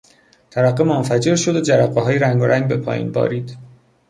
ترقه منفجر شد و جرقههای رنگارنگ به پایین بارید.